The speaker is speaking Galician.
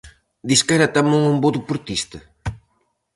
Disque era tamén un bo deportista.